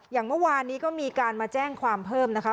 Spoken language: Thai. อย่างเมื่อวานนี้ก็มีการมาแจ้งความเพิ่มนะคะ